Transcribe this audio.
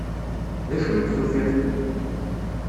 D acu i d-tufiḍ?